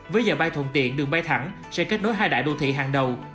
với giờ bay thuận tiện đường bay thẳng sẽ kết nối hai đại đô thị hàng đầu